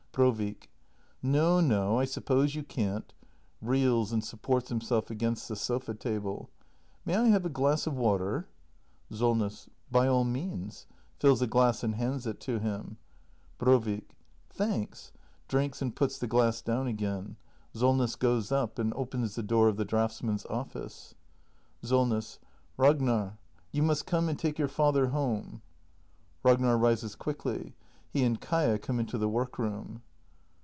Brovik. No, no; I suppose you can't. [Reels and supports him self against the sofa table.] May I have a glass of water? Solness. By all means. [Fills a glass and hands it to him. Brovik. Thanks. [Drinks and puts the glass down again. [Solness goes up and opens the door of the draughts men's office. Solness. Ragnar — you must come and take your father home. Ragnar rises quickly. He and Kaia come into the work room.